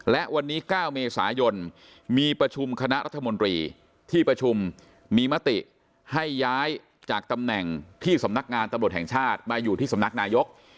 และวันนี้๙เมษายนมีประชุมคณะรัฐมนตรีที่ประชุมมีมติให้ย้ายจากตำแหน่งที่สำนักงานตำรวจแห่งชาติมาอยู่ที่สำนักนายก